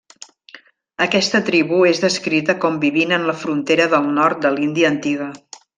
Aquesta tribu és descrita com vivint en la frontera del nord de l'Índia antiga.